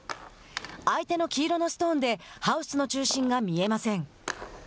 相手の黄色のストーンでハウスの中心が見えません。